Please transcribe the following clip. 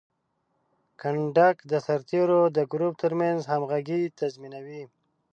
کنډک د سرتیرو د ګروپ ترمنځ همغږي تضمینوي.